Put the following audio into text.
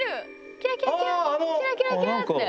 キラキラキラキラキラキラって。